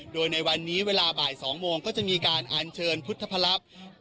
โดยในวันนี้เวลาบ่าย๒โมงก็จะมีการอันเชิญพุทธพรลักษณ์